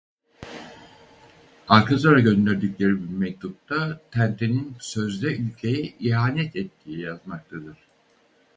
Alkazar'a gönderdikleri bir mektupta Tenten'in sözde ülkeye ihanet ettiği yazmaktadır.